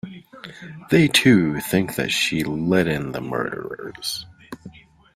They, too, think that she let in the murderers.